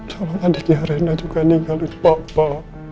salah adiknya rena juga ninggalin papa